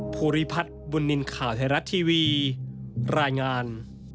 ภูริพัฒน์บุญนินทร์ข่าวไทยรัฐทีวีรายงาน